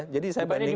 jadi saya bandingkan